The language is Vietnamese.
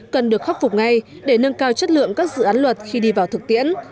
cần được khắc phục ngay để nâng cao chất lượng các dự án luật khi đi vào thực tiễn